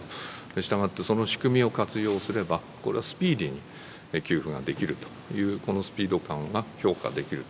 したがってその仕組みを活用すれば、これはスピーディーに給付ができるという、このスピード感は評価できると。